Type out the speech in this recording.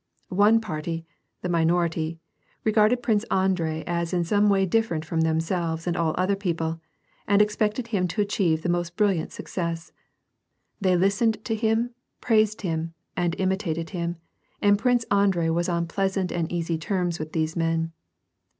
One party, the minority, regarded Prince Andrei as in some way different from themselves and all other people, and expected bim to achieve the most brilliant success ; they listened to him, praised him, and imitated him, and Prince Andrei was on pleasant and easy terms with these men.